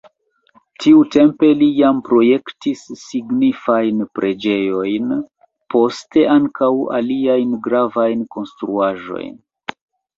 Tiutempe li jam projektis signifajn preĝejojn, poste ankaŭ aliajn gravajn konstruaĵojn.